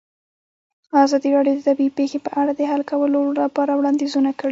ازادي راډیو د طبیعي پېښې په اړه د حل کولو لپاره وړاندیزونه کړي.